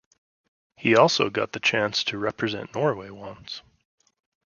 He also got the chance to represent Norway once.